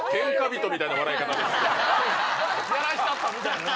やらしたったみたいな。